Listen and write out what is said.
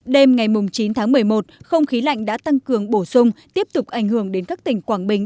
đêm ngày chín tháng một mươi một không khí lạnh đã tăng cường bổ sung tiếp tục ảnh hưởng đến các tỉnh quảng bình